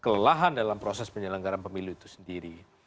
kelelahan dalam proses penyelenggaran pemilu itu sendiri